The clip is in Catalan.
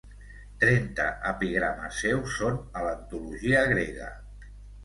Trenta epigrames seus són a l'antologia grega.